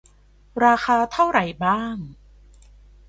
ราคาเท่าไหร่บ้าง